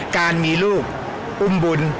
การมีลูกอุ้มบุญ